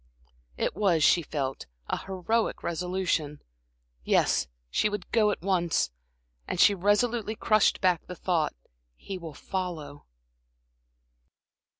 It was, she felt, an heroic resolution. Yes, she would go at once. And she resolutely crushed back the thought: "He will follow."